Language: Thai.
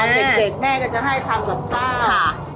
เด็กแม่ก็จะให้ทำกับข้าว